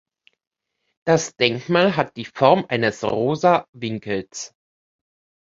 Das Denkmal hat die Form eines rosa Winkels.